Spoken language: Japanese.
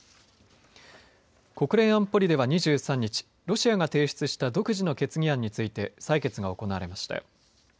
国連安保理では２３日、ロシアが提出した独自の決議案について採決が行われました。